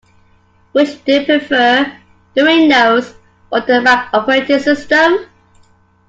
Which do you prefer: the Windows or the Mac operating system?